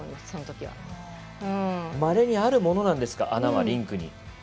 そのときはまれにあるものなんですか穴はリンクに。